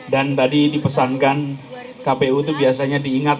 dan tadi dipesankan kpu itu biasanya diingat